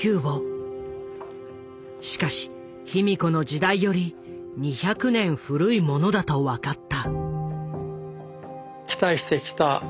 しかし卑弥呼の時代より２００年古いものだと分かった。